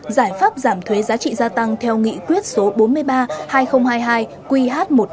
giải pháp giảm thuê giá trị gia tăng theo nghị quyết số bốn mươi ba hai nghìn hai mươi hai qh một năm